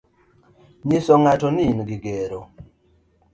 nyiso ng'ato ni in gi gero.